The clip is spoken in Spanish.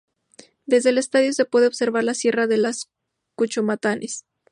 Desde el estadio se puede observar la Sierra de los Cuchumatanes.